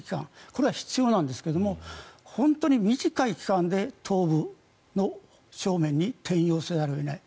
これが必要なんですが本当に短い期間で東部の正面に転用せざるを得ない。